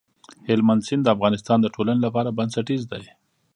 هلمند سیند د افغانستان د ټولنې لپاره بنسټيز دی.